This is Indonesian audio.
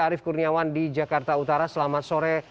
arief kurniawan di jakarta utara selamat sore